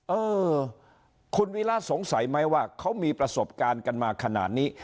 เออคุณวิระสงสัยไหมว่าเขามีประสบการณ์กันมาขนาดนี้